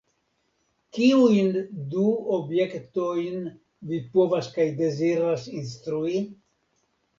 Kiujn do objektojn vi povas kaj deziras instrui?